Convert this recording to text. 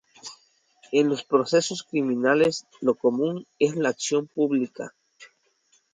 En los procesos criminales lo común es la acción pública.